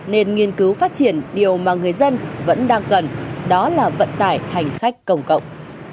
nên nghiên cứu phát triển điều mà người dân vẫn đang cần đó là vận tải hành khách công cộng